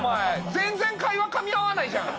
全然会話かみ合わないじゃん。